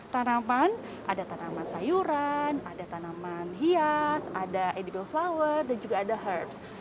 tanaman ada tanaman sayuran ada tanaman hias ada edible flower dan juga ada herbs